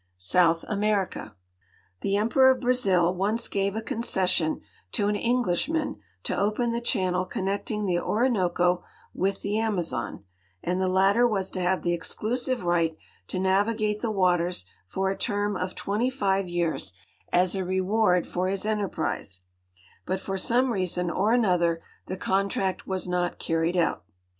SOUTH AMERICA The Emperor of Brazil once gave a concession to an Englishman to ojien the channel connecting the Orinoco with the Amazon, and the latter was to have the exclusive right to navigate the waters for a term of twenty five years as a reward for his enterprise, but for some reason or another the contract was not carried out.